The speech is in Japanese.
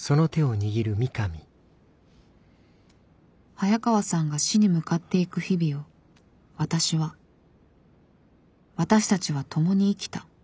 早川さんが死に向かっていく日々を私は私たちはともに生きた。